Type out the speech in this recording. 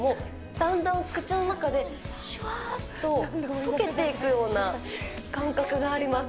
だんだん口の中でしゅわーっと溶けていくような感覚があります。